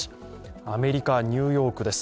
アメリカ・ニューヨークです。